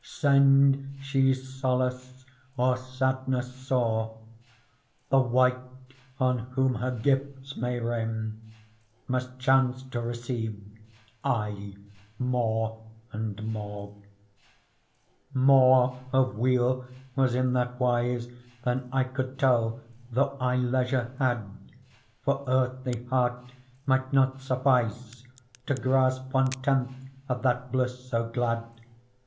Send she solace or sadness sore. The wight on whom her gifts may rain Must chance to receive aye more and more. Digitized by Google PEARL More of weal was in that wise Than I could tell, though I leisure had : For earthly heart might not suffice To grasp one tenth of that bliss so glad.